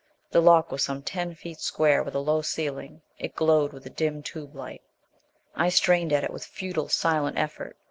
The lock was some ten feet square, with a low ceiling. It glowed with a dim tube light. I strained at it with futile, silent effort.